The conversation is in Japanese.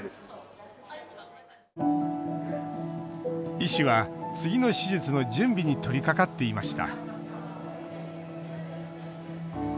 医師は次の手術の準備に取りかかっていました。